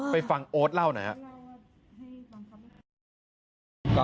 ฟังโอ๊ตเล่าหน่อยครับ